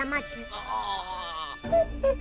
ああ。